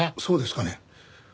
そうですかね？